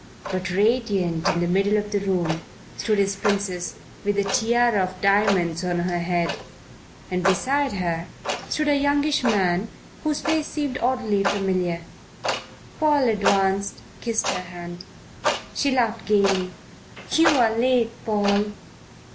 But radiant in the middle of the room stood his Princess, with a tiara of diamonds on her head, and beside her stood a youngish man whose face seemed oddly familiar. Paul advanced, kissed her hand. She laughed gaily. "You are late, Paul."